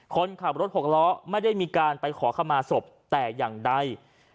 คนขับรถหกล้อไม่ได้มีการไปขอขมาศพแต่อย่างใด